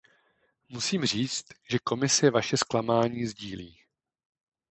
Musím říci, že Komise vaše zklamání sdílí.